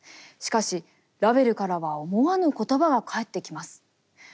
しかしラヴェルからは思わぬ言葉が返ってきます。